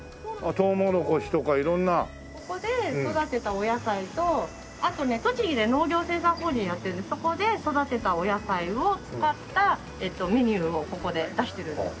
ここで育てたお野菜とあとね栃木で農業生産法人やってるのでそこで育てたお野菜を使ったメニューをここで出してるんです。